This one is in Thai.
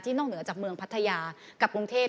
นอกเหนือจากเมืองพัทยากับกรุงเทพ